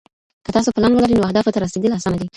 که تاسو پلان ولرئ نو اهدافو ته رسیدل اسانه دي.